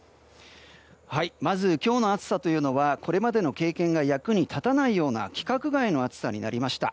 まず今日の暑さというのはこれまでの経験が役に立たないような規格外の暑さになりました。